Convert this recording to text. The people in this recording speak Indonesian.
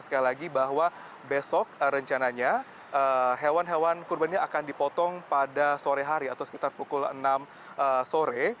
sekali lagi bahwa besok rencananya hewan hewan kurban ini akan dipotong pada sore hari atau sekitar pukul enam sore